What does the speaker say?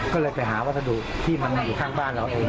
ก็เลยไปหาวัสดุที่มันอยู่ข้างบ้านเราเอง